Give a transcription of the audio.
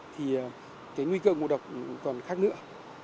thì cái nguy cơ ngộ độc còn khác nữa